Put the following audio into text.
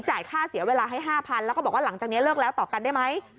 ค่าเสียเวลาให้๕๐๐๐แล้วก็บอกว่าหลังจากนี้เลิกแล้วต่อกันได้ไหม